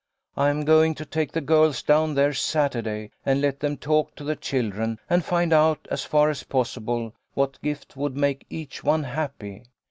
I am going to take the girls down there Saturday and let them talk to the children, and find out, as far as possible, what gift would make each one happy.